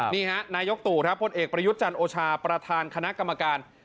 นายกตู่ครับพลเอกประยุทธ์จันทร์โอชาประธานคณะกรรมการ